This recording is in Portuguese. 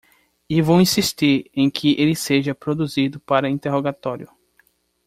E vou insistir em que ele seja produzido para interrogatório.